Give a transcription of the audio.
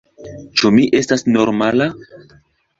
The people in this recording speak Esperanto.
Ĉu mi estas normala?